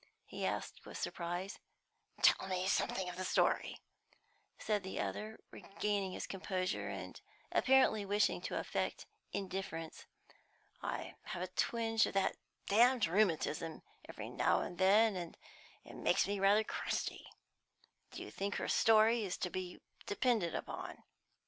he asked, with surprise. "Tell me something of the story," said the other, regaining his composure, and apparently wishing to affect indifference. "I have a twinge of that damned rheumatism every now and then, and it makes me rather crusty. Do you think her story is to be depended upon?"